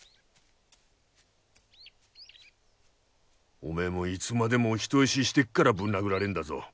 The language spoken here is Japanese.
おめえもいつまでもお人よししてっからぶん殴られんだぞ。